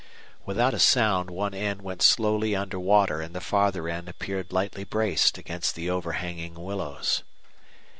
Without a sound one end went slowly under water and the farther end appeared lightly braced against the overhanging willows.